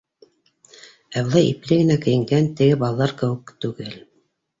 Ә былай ипле генә кейенгән, теге балалар кеүек түгел.